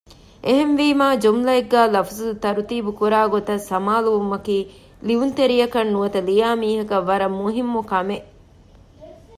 އެހެންވީމާ ޖުމުލައެއްގައި ލަފުޒު ތަރުތީބު ކުރާ ގޮތަށް ސަމާލުވުމަކީ ލިޔުންތެރިއަކަށް ނުވަތަ ލިޔާ މީހަކަށް ވަރަށް މުހިއްމު ކަމެއް